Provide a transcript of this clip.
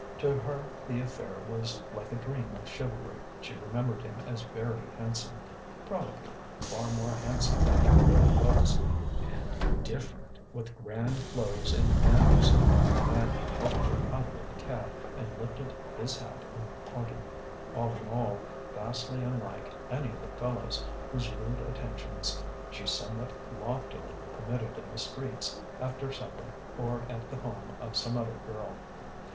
To her the affair was like a dream of chivalry: she remembered him as very handsome (probably far more handsome than he really was) and different, with grand clothes and manners (the man had helped her out of the cab and lifted his hat in parting): all in all, vastly unlike any of the fellows whose rude attentions she somewhat loftily permitted in the streets after supper or at the home of some other girl.